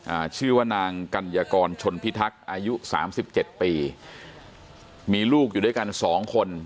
อ่าชื่อว่านางกัญญากรชนพิทักษ์อายุสามสิบเจ็ดปีมีลูกอยู่ด้วยกันสองคน